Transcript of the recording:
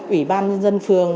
ủy ban dân phường